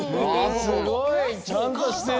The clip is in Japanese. すごい！ちゃんとしてる。